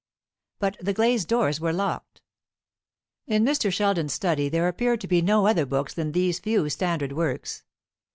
But the glazed doors were locked. In Mr. Sheldon's study there appeared to be no other books than these few standard works.